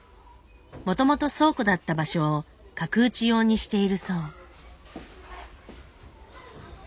もともと倉庫だった場所を角打ち用にしているそう。